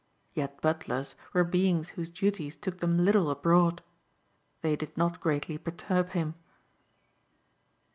Yet butlers were beings whose duties took them little abroad. They did not greatly perturb him.